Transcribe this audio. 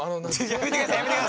やめてください！